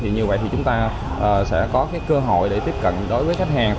như vậy thì chúng ta sẽ có cơ hội để tiếp cận đối với khách hàng